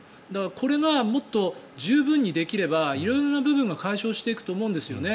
これがもっと十分にできれば色々な部分が解消していくと思うんですよね。